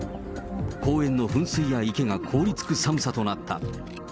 公園の噴水や池が凍りつく寒さとなった。